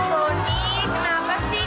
tony kenapa sih